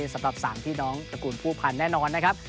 สำหรับ๓พี่น้องตระกูลผู้พันธ์แน่นอนนะครับ